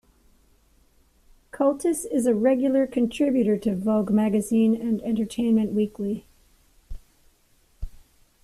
Cultice is a regular contributor to Vogue magazine and Entertainment Weekly.